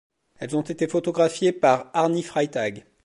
Elles ont été photographiées par Arny Freytag.